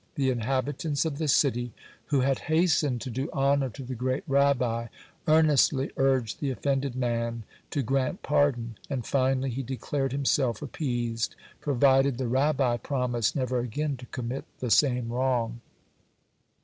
The inhabitants of the city, who had hastened to do honor to the great Rabbi, earnestly urged the offended man to grant pardon, and finally he declared himself appeased, provided the Rabbi promised never again to commit the same wrong.